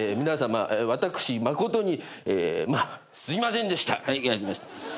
皆さま私まことにすいませんでしたはい。